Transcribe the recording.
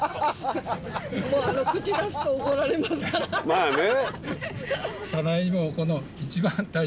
まあね。